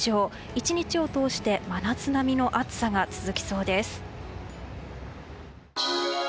１日を通して真夏並みの暑さが続きそうです。